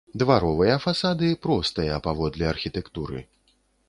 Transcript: Дваровыя фасады простыя паводле архітэктуры.